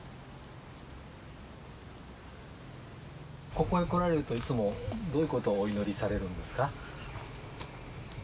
ここへ来られるといつもどういうことをお祈りされるんですか？